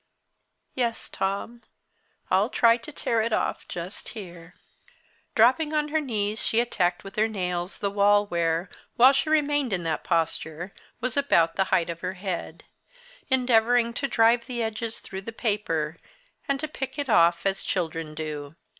Yes, Tom, I'll try to tear it off just here." Dropping on her knees she attacked with her nails the wall where, while she remained in that posture, it was about the height of her head endeavouring to drive the edges through the paper, and to pick it off, as children do.